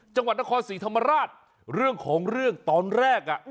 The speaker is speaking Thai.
จังหวัดนครศรีธรรมราชเรื่องของเรื่องตอนแรกอ่ะ